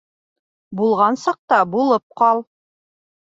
Булған саҡта булып ҡал